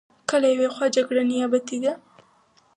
که له یوې خوا جګړه نیابتي ده.